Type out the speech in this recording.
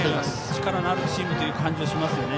力のあるチームという感じもします。